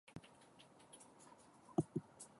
Quina despesa no ha estat finançada per la Generalitat?